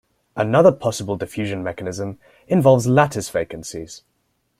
Another possible diffusion mechanism involves lattice vacancies.